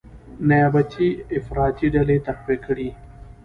نیابتي افراطي ډلې تقویه کړي،